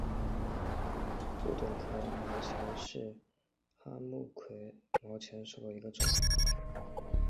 不等壳毛蚶是魁蛤目魁蛤科毛蚶属的一种。